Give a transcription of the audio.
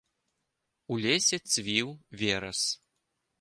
У лесе цвіў верас.